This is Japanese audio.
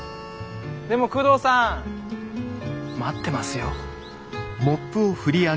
でも久遠さん待ってますよ。